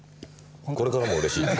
これからもうれしいよ。